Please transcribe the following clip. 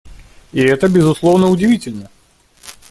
И это, безусловно, удивительно.